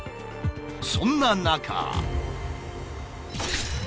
そんな中。